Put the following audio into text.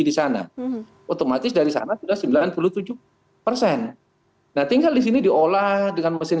disana otomatis dari sana sembilan puluh tujuh enggak tinggal di sini diolah dengan mesin